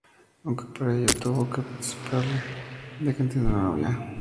Aunque para ello tuvo que practicarlo, ya que lo entiende pero no lo habla.